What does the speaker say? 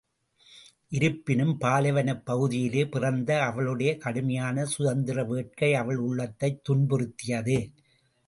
இருப்பினும் பாலைவனப் பகுதியிலே பிறந்த அவளுடைய கடுமையான சுதந்திர வேட்கை அவள் உள்ளத்தைத் துன்புறுத்தியது.